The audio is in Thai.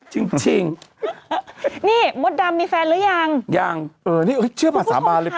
จริงจริงนี่มดดำมีแฟนหรือยังยังเออนี่เชื่อมาสาบานหรือเปล่า